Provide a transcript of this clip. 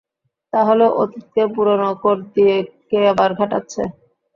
তাহলে অতীতকে পুরনো কোড দিয়ে কে আবার ঘাঁটাচ্ছে?